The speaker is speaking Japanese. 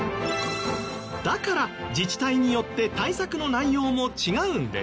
だから自治体によって対策の内容も違うんです。